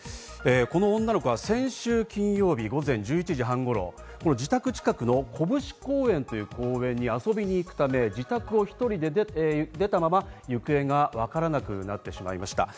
この女の子は先週金曜日、午前１１時半頃、自宅近くのこぶし公園という公園へ遊びに行くため、自宅を１人で出たまま行方がわからなくなってしまいました。